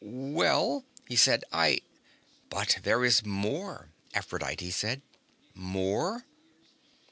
"Well," he said, "I " "But there is more," Aphrodite said. "More?"